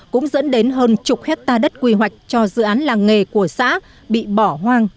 cũng dẫn đến hơn chục hectare đất quy hoạch cho dự án làng nghề của xã bị bỏ hoang